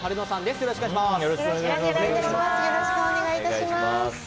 よろしくお願いします。